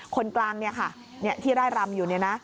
คนกลางที่ไร่รำอยู่